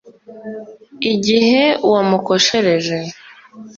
Igihe wamukoshereje